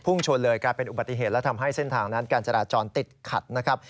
ชนเลยกลายเป็นอุบัติเหตุและทำให้เส้นทางนั้นการจราจรติดขัดนะครับ